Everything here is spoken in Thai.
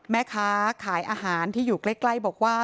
แม่ค้าขายอาหารที่อยู่ใกล้บอกว่า